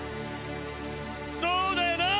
そうだよなァ！？